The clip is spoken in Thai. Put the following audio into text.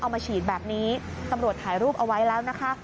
มาฉีดแบบนี้ตำรวจถ่ายรูปเอาไว้แล้วนะคะ